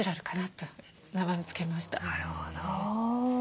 なるほど。